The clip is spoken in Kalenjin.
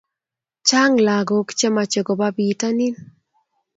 Chang lakok che mache koba pitanin